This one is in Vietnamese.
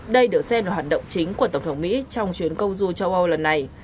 đây được xem là hoạt động chính của tổng thống mỹ trong chuyến công du châu âu lần này